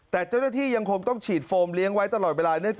แต่เจ้าหน้าที่ยังคงต้องฉีดโฟมเลี้ยงไว้ตลอดเวลา